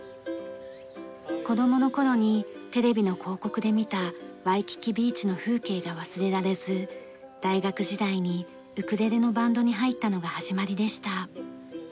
子供の頃にテレビの広告で見たワイキキビーチの風景が忘れられず大学時代にウクレレのバンドに入ったのが始まりでした。